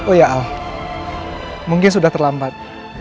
oh ya al mungkin sudah terlambat